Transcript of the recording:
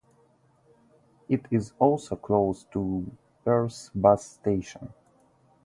It is also close to Perth bus station.